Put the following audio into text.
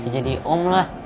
jadi om lah